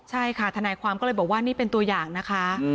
ใช่ค่ะทนายความก็เลยบอกว่านี่เป็นตัวอย่างนะคะ